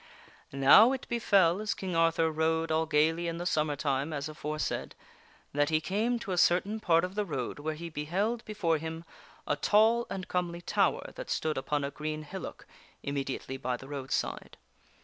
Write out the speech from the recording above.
Now it befell, as King Arthur rode all gayly in the summer time as afore said, that he came to a certain part of the road where he beheld before 102 THE WINNING OF A QUEEN him a tall and comely tower that stood upon a green hillock immediately by the roadside.